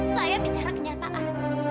saya bicara kenyataan